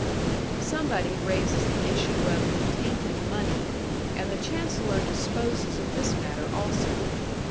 Somebody raises the issue of "tainted money", and the Chancellor disposes of this matter also.